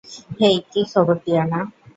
হেই, কী খবর, টিয়ানা?